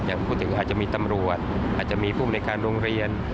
พูดถึงอาจจะมีตำรวจอาจจะมีภูมิในการโรงเรียน